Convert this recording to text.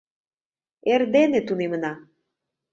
— Эрдене тунемына...